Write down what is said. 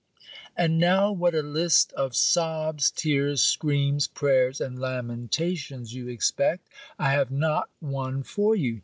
And now what a list of sobs, tears, screams, prayers, and lamentations you expect! I have not one for you.